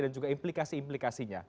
dan juga implikasi implikasinya